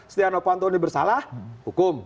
setia novanto ini bersalah hukum